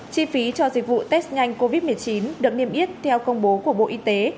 chi phí cho dịch vụ test nhanh covid một mươi chín được niêm yết theo công bố của bộ y tế